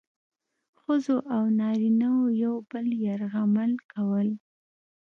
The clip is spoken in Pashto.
ښځو او نارینه وو یو بل یرغمل کول.